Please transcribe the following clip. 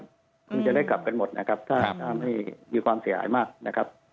คงจะได้กลับกันหมดนะครับถ้าไม่มีความเสียหายมากนะครับ